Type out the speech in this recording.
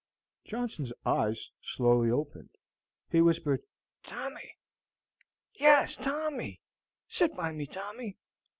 Johnson's eyes slowly opened. He whispered, "Tommy! yes, Tommy! Sit by me, Tommy.